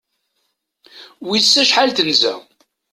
Wiss acḥal tenza?